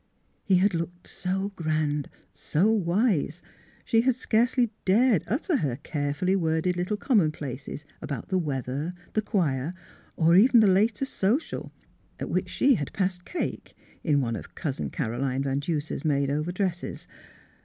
He had looked so grand, so wise, she had scarcely dared utter her carefully worded little commonplaces about the weather, the choir, or even the latest social — at which she had passed cake, in one of Cousin Caroline Van Duser's made over dresses.